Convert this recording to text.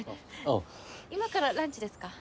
今からランチですか？